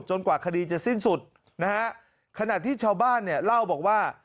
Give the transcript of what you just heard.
กว่าคดีจะสิ้นสุดนะฮะขณะที่ชาวบ้านเนี่ยเล่าบอกว่า